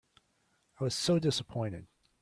I was so dissappointed.